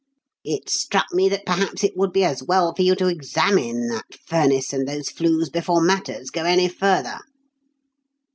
It struck me that perhaps it would be as well for you to examine that furnace and those flues before matters go any further."